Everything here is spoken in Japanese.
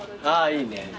いいね。